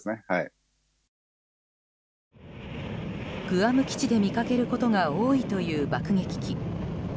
グアム基地で見かけることが多いという爆撃機。